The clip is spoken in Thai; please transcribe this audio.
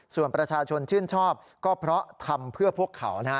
ส่วนประชาชนชื่นชอบก็เพราะทำเพื่อพวกเขานะฮะ